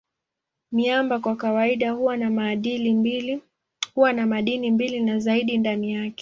Miamba kwa kawaida huwa na madini mbili au zaidi ndani yake.